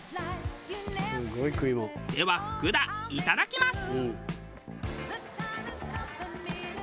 では福田いただきます！